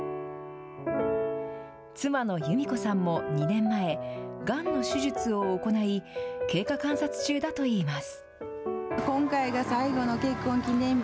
妻の由美子さんも２年前、がんの手術を行い、経過観察中だといいます。